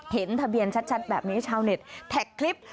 เห็นทะเบียนชัดแบบนี้ชาวเน็ตแท็กคลิป